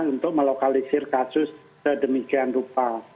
untuk melokalisir kasus sedemikian rupa